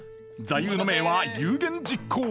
座右の銘は「有言実行」。